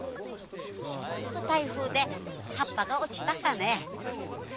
ちょっと台風で葉っぱが落ちたかね。